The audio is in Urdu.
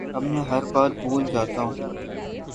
اب میں ہر بات بھول جاتا ہوں